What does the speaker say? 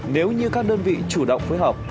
nếu như các đơn vị chủ động phối hợp